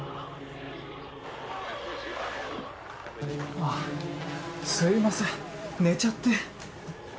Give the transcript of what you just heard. あっすいません寝ちゃって。